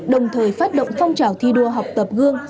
đồng thời phát động phong trào thi đua học tập gương